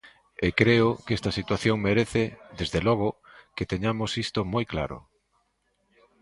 E creo que esta situación merece, desde logo, que teñamos isto moi claro.